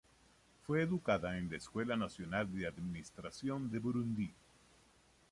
Fue educada en la Escuela Nacional de Administración de Burundi.